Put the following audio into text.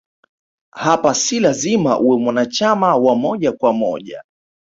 Hapa si lazima uwe mwanachama wa moja kwa moja